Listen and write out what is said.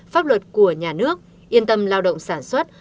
pháp luật của nhà nước yên tâm lao động sản xuất